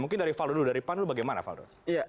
mungkin dari valdo dulu dari pan dulu